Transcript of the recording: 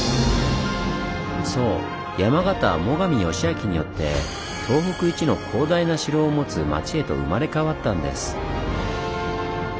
そう山形は最上義光によって東北一の広大な城を持つ町へと生まれ変わったんです。